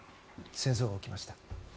戦争が起きました。